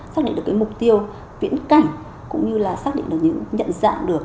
xác định được cái mục tiêu viễn cảnh cũng như là xác định được những nhận dạng được